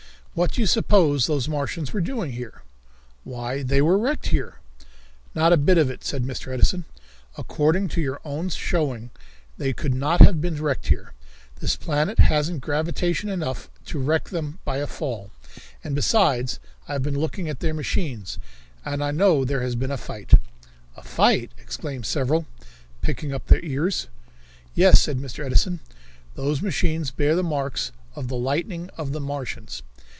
"What do you suppose those Martians were doing here?" "Why, they were wrecked here." "Not a bit of it," said Mr. Edison. "According to your own showing they could not have been wrecked here. This planet hasn't gravitation enough to wreck them by a fall, and besides I have been looking at their machines and I know there has been a fight." "A fight?" exclaimed several, pricking up their ears. "Yes," said Mr. Edison; "those machines bear the marks of the lightning of the Martians.